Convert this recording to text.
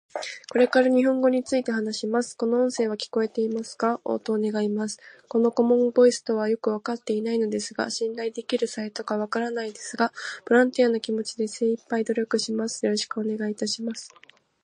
これから日本語について話します。この音声は聞こえてますか？応答願います。この顧問ボイスとはよく分かっていないのですが信頼できるサイトか分からないですが、ボランティアの気持ちで精いっぱい努力します。よろしくお願いいたします。